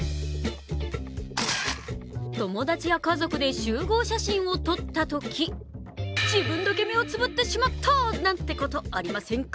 友達や家族で集合写真を撮ったとき自分だけ目をつぶってしまったなんてこと、ありませんか？